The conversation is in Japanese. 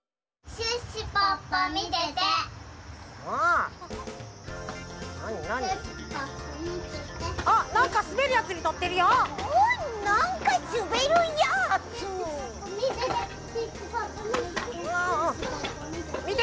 シュッシュポッポみてて！